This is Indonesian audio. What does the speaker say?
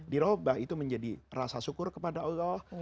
dirobah itu menjadi rasa syukur kepada allah